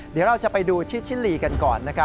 เดี๋ยวเราจะไปดูที่ชิลีกันก่อน